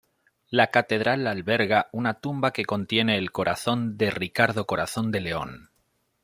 La catedral alberga una tumba que contiene el corazón de Ricardo Corazón de León.